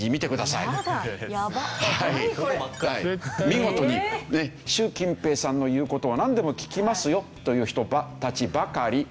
見事にね習近平さんの言う事をなんでも聞きますよという人たちばかり。